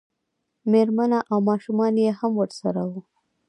مېرمنه او ماشومان یې هم ورسره وو.